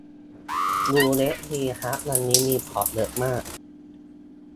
ยูเอสบีฮับอันนี้มีพอร์ตเยอะมาก